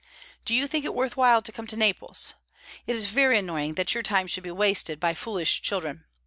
Do you think it worth while to come to Naples? It is very annoying that your time should be wasted by foolish children.